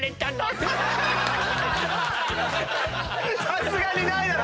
さすがにないだろ！